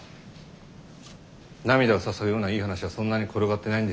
涙を誘うようないい話はそんなに転がってないんですよ。